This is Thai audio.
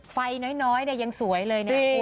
ไฟน้อยเนี่ยยังสวยเลยเนี่ย